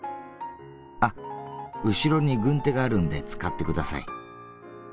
あっ後ろに軍手があるんで使ってください。